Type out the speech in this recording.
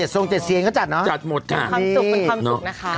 ๗ทรง๗เสียงก็จัดเนอะจัดหมดค่ะคำสุขเป็นคำสุขนะคะ